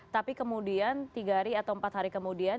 tapi kemudian tiga hari atau empat hari kemudian